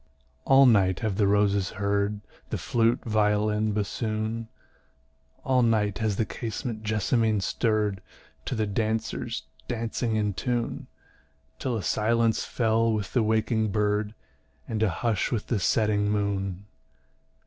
All night have the roses heard The flute, violin, bassoon; All night has the casement jessamine stirr'd To the dancers dancing in tune: Till a silence fell with the waking bird, And a hush with the setting moon.